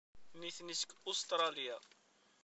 Nitni seg Ustṛalya.